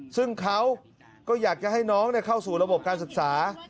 ซึ่งเขาก็อยากจะให้น้องเข้าสู่ระบบการศึกษา